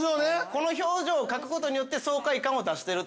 ◆この表情を描くことによって爽快感を出してると？